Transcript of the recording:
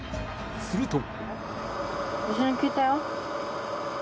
すると。